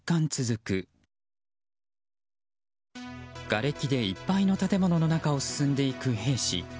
がれきでいっぱいの建物の中を進んでいく兵士。